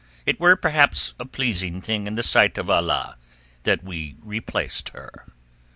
It were perhaps a pleasing thing in the sight of Allah that we replaced her."